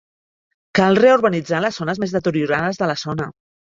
Cal reurbanitzar les zones més deteriorades de la zona.